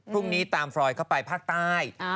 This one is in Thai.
พรุ่งนี้ตามฟรอยเข้าไปภาคใต้